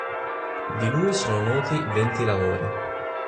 Di lui sono noti venti lavori.